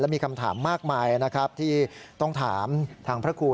มีคำถามมากมายนะครับที่ต้องถามทางพระครู